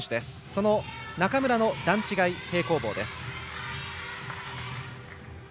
その中村の段違い平行棒です。